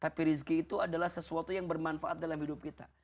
tapi rizki itu adalah sesuatu yang bermanfaat dalam hidup kita